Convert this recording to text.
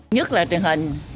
nhất là truyền hình